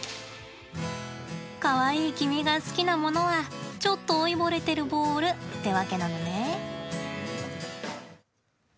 かわいい君が好きなものはちょっと老いぼれてるボールってわけなのね。